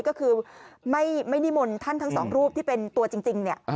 ก็คือไม่นิมนต์ท่านทั้งสองรูปที่เป็นตัวจริงเนี่ย